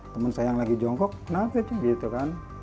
temen saya yang lagi jongkok kenapa tuh gitu kan